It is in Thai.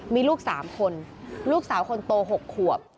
มีลูก๓คนลูกสาวคนโต๖ขวบ